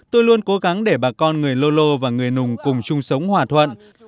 tôi luôn cố gắng để bà con người lô lô và người nùng cùng chung sống hòa thuận